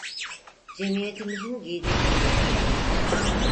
Cemiyetimizin giydirdiği çocuklar!